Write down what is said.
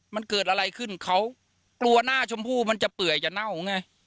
มันเกิดอะไรขึ้นเขากลัวหน้าชมพู่มันจะเปื่อยจะเน่าไง